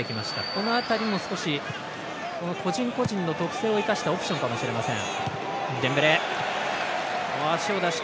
この辺りも少し個人個人の特性を生かしたオプションかもしれません。